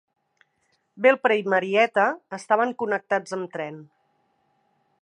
Belpre i Marietta estaven connectats amb tren.